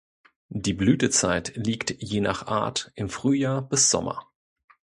Die Blütezeit liegt je nach Art im Frühjahr bis Sommer.